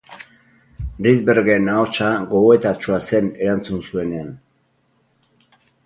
Rydbergen ahotsa gogoetatsua zen erantzun zuenean.